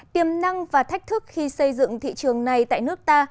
tiềm năng và thách thức khi xây dựng thị trường này tại nước ta